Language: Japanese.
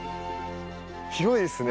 広いですね。